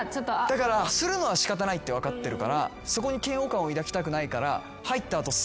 だからするのは仕方ないって分かってるからそこに嫌悪感を抱きたくないから。